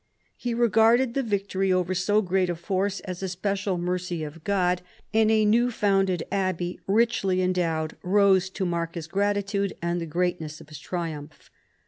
He regarded the victory over so great a force as a special mercy of God, and a new founded abbey, richly endowed, rose to mark his gratitude and the greatness of his triumph.